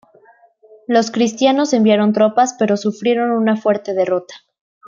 Los cristianos enviaron tropas, pero sufrieron una fuerte derrota.